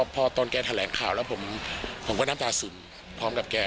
พอตอนแกแถลงข่าวแล้วผมก็น้ำตาซึมพร้อมกับแก